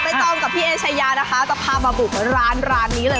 ตองกับพี่เอชายานะคะจะพามาบุกร้านร้านนี้เลย